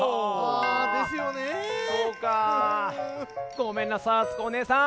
ごめんなさいあつこおねえさん。